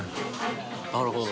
なるほど。